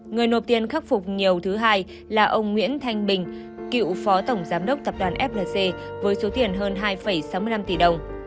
người nộp tiền khắc phục nhiều thứ hai là ông nguyễn thanh bình cựu phó tổng giám đốc tập đoàn flc với số tiền hơn hai sáu mươi năm tỷ đồng